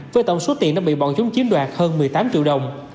với tổng số tiền đã bị bọn chúng chiếm đoạt hơn một mươi tám triệu đồng